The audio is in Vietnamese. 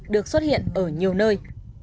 được xuất hiện ở nhiều nơi